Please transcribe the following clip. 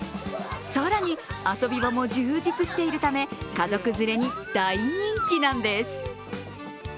更に、遊び場も充実しているため家族連れに大人気なんです。